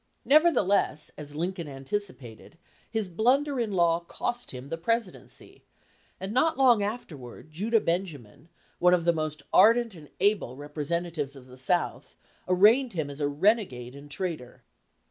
Nevertheless, as Lincoln anticipated, his blunder in law cost him the Presidency, and not long afterward Judah Benjamin, one of the most ardent and able representatives of the South, arraigned him as a renegade and traitor.